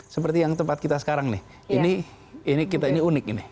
seperti yang tempat kita sekarang nih ini kita ini unik ini